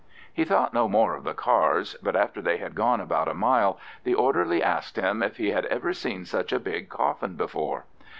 He thought no more of the cars, but after they had gone about a mile the orderly asked him if he had ever seen such a big coffin before.